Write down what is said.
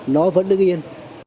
nó vẫn đứng yên